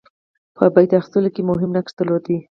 په بیعت اخیستلو کې مهم نقش درلود.